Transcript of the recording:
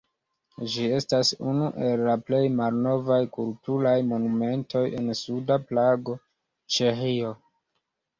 Ĝi estas unu el la plej malnovaj kulturaj monumentoj en suda Prago, Ĉeĥio.